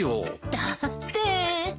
だって。